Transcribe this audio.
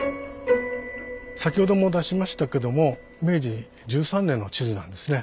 先ほども出しましたけども明治１３年の地図なんですね。